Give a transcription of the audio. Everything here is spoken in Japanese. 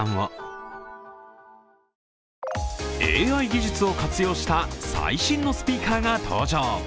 ＡＩ技術を活用した最新のスピーカーが登場。